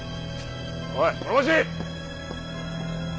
おい諸星！